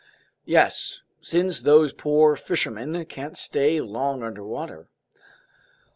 "Yes, since those poor fishermen can't stay long underwater.